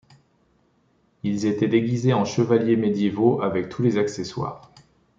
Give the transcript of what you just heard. Ils étaient déguisés en chevaliers médiévaux avec tous les accessoires.